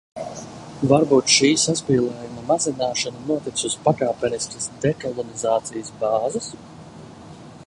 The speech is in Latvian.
Varbūt šī saspīlējuma mazināšana notiks uz pakāpeniskas dekolonizācijas bāzes?